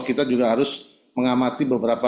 kita juga harus mengamati beberapa